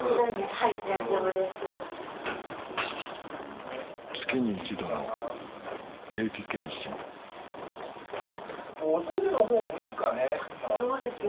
はい大丈夫です月に一度の定期健診お通じのほうもいいかね？